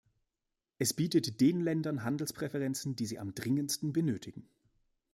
Es bietet den Ländern Handelspräferenzen, die sie am dringendsten benötigen.